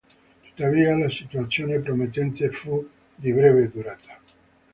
Tuttavia, la situazione promettente fu di breve durata.